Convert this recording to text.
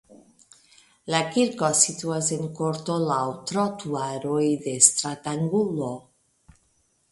La kirko situas en korto laŭ trotuaroj de stratangulo.